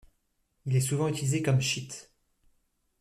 Il est souvent utilisé comme cheat.